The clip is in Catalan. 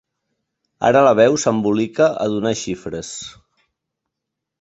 Ara la veu s'embolica a donar xifres.